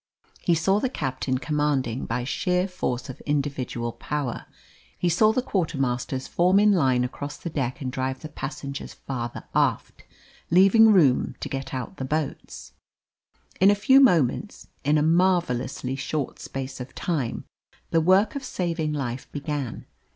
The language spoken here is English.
He saw the captain commanding by sheer force of individual power; he saw the quartermasters form in line across the deck and drive the passengers farther aft, leaving room to get out the boats. In a few moments in a marvellously short space of time the work of saving life began.